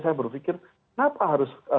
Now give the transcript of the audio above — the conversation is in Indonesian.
saya berpikir kenapa harus